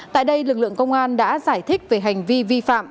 tại đây lực lượng công an đã giải thích về hành vi vi phạm